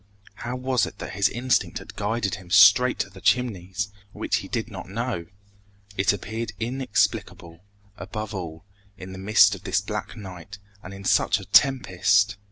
How was it that his instinct had guided him straight to the Chimneys, which he did not know? It appeared inexplicable, above all, in the midst of this black night and in such a tempest!